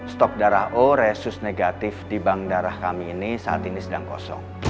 stok darah o resus negatif di bank darah kami ini saat ini sedang kosong